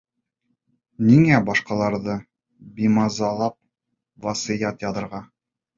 Ниңә башҡаларҙы бимазалап васыят яҙырға.